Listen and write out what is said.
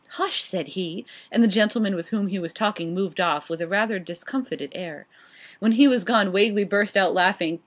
'Hush!' says he; and the gentleman with whom he was talking moved off, with rather a discomfited air. When he was gone Wagley burst out laughing.